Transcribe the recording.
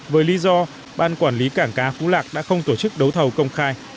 với lý do ban quản lý cảng cá phú lạc đã không tổ chức đấu thầu công khai